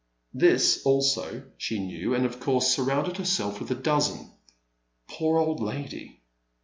This also she knew and of course surrounded herself with a dozen. Poor old lady